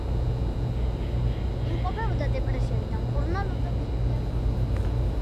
იმყოფებოდა დეპრესიაში და მკურნალობდა ფსიქიატრიულ ჰოსპიტალში.